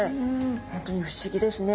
本当に不思議ですね。